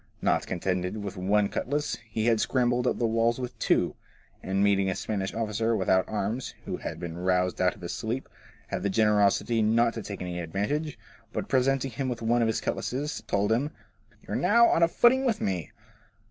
Not contented with one cutlass, he had scrambled up the walls with two, and meeting a Spanish officer without arms, and who had been roused out of his sleep, had the generosity not to take any advantage, but presenting him with one of his cutlasses, told him, * You are now on a footing with me.'